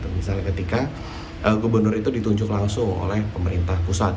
misalnya ketika gubernur itu ditunjuk langsung oleh pemerintah pusat